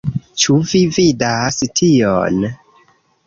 Ĉu vi vidas tion?